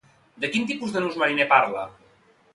De quin tipus de nus mariner parla?